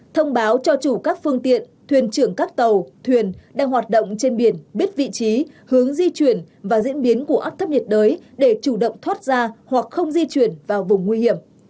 thông báo cho chủ các phương tiện thuyền trưởng các tàu thuyền đang hoạt động trên biển biết vị trí hướng di chuyển và diễn biến của áp thấp nhiệt đới để chủ động thoát ra hoặc không di chuyển vào vùng nguy hiểm